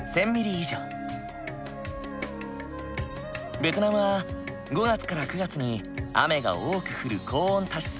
ベトナムは５月から９月に雨が多く降る高温多湿な地域。